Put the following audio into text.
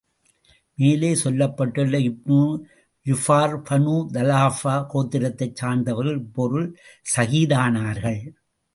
மேலே சொல்லப்பட்டுள்ள இப்னு ஜுபைர் பனூ தஃலபா கோத்திரத்தைச் சார்ந்தவர்கள் இப்போரில் ஷஹீதானார்கள்.